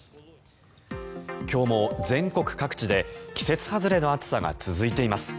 今日も全国各地で季節外れの暑さが続いています。